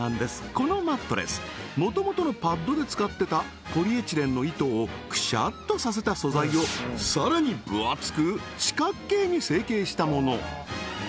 このマットレスもともとのパッドで使ってたポリエチレンの糸をくしゃっとさせた素材をさらに分厚く四角形に成形したもの